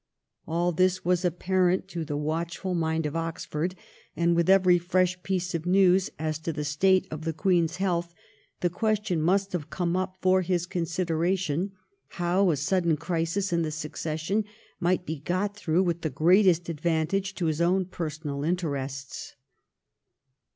All this was apparent to the watchful mind of Oxford, and with every fresh piece of news as to the state of the Queen's health, the question must have come up for his consideration, how a sudden crisis in the succession might be got through with the greatest advantage to his own personal interests.